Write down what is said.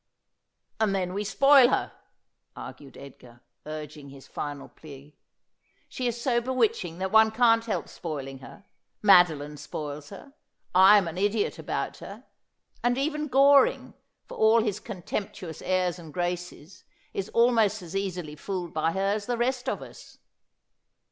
' And then we spoil her,' argued Edgar, urging his final plea. ' She is so bewitching that one can't help spoiling her. Madoline spoils her. I am an idiot about her ; and even Goring, for all his contemptuous airs and graces, is almost as easily fooled by her as the rest of us.